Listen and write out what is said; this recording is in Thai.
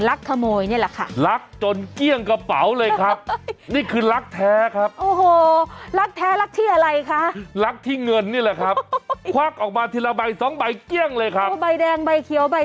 รักปู่รักย่ารักถวดก็รักค่ะ